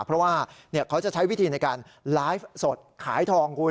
เพราะว่าเขาจะใช้วิธีในการไลฟ์สดขายทองคุณ